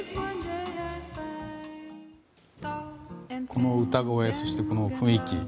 この歌声、そして雰囲気。